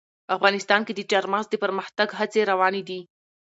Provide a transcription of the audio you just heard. افغانستان کې د چار مغز د پرمختګ هڅې روانې دي.